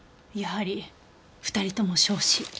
やはり２人とも焼死。